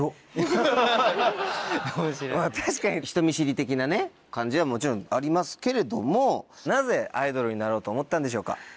確かに人見知り的なね感じはもちろんありますけれどもなぜアイドルになろうと思ったんでしょうか？